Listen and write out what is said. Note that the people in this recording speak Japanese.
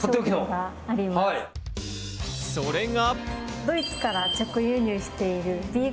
それが。